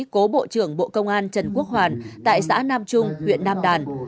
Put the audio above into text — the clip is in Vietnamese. cố bộ trưởng bộ công an trần quốc hoàn tại xã nam trung huyện nam đàn